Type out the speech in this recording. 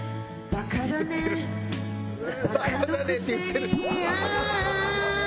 「バカだね」って言ってる。